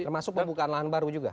termasuk pembukaan lahan baru juga